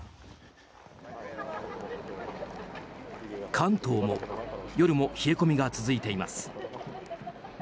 関東も夜も冷え込みが続いています。